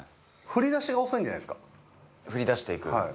振り出しが遅いんじゃないで振りだしていく？